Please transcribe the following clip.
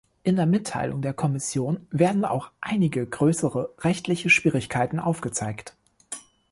In der Mitteilung der Kommission werden auch einige größere rechtliche Schwierigkeiten aufgezeigt.